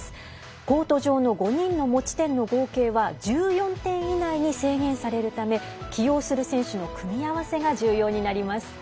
コート上の５人の持ち点の合計は１４点以内に制限されるため起用する選手の組み合わせが重要になります。